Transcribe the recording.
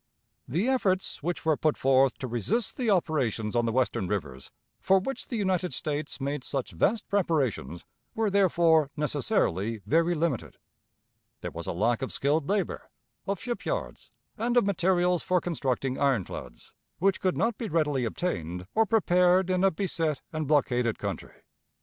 The efforts which were put forth to resist the operations on the Western rivers, for which the United States made such vast preparations, were therefore necessarily very limited. There was a lack of skilled labor, of ship yards, and of materials for constructing ironclads, which could not be readily obtained or prepared in a beset and blockaded country.